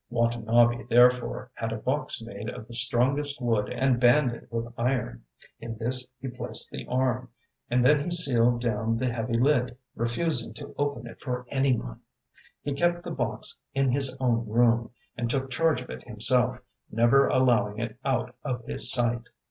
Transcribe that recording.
Watanabe therefore had a box made of the strongest wood and banded with iron. In this he placed the arm, and then he sealed down the heavy lid, refusing to open it for anyone. He kept the box in his own room and took charge of it himself, never allowing it out of his sight.